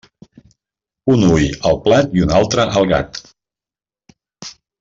Un ull al plat i un altre al gat.